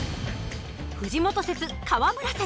藤本説川村説